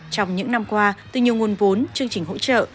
trong những năm qua từ nhiều nguồn vốn chương trình hỗ trợ